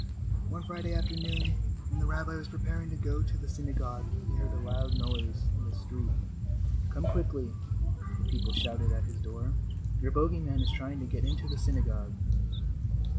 One Friday afternoon when the rabbi was preparing to go to the synagogue, he heard a loud noise in the street. "Come quickly," the people shouted at his door. "Your bogey man is trying to get into the synagogue."